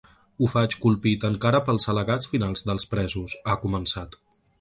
Ho faig colpit encara pels al·legats finals dels presos, ha començat.